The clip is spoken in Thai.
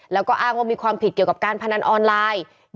แล้วก็อ้างว่ามีความผิดเกี่ยวกับการพนันออนไลน์